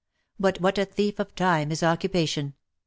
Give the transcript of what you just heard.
But what a thief of time is occupation